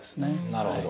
なるほど。